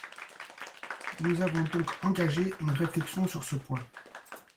Nous avons donc engagé une réflexion sur ce point.